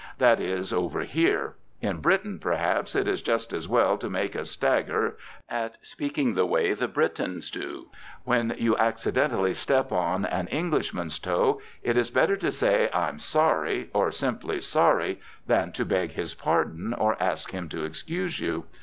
That is, over here. In Britain, perhaps, it is just as well to make a stagger at speaking the way the Britains do. When you accidently step on an Englishman's toe, it is better to say "I'm sorry!" or simply "sorry," than to beg his pardon or ask him to excuse you.